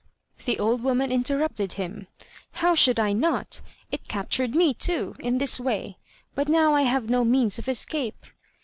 The old woman interrupted him: "How should I not? It captured me, too, in this way, but now I have no means of escape."